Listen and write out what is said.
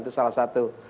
itu salah satu